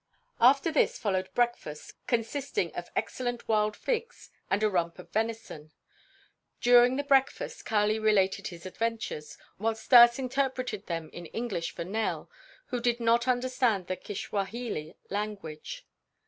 After this followed breakfast, consisting of excellent wild figs and a rump of venison. During the breakfast Kali related his adventures, while Stas interpreted them in English for Nell who did not understand the Kiswahili language.